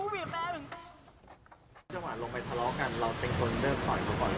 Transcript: เวลาลงไปทะเลาะกันเราเป็นคนเริ่มต่อยก่อน